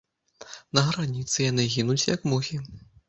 На граніцы яны гінуць як мухі.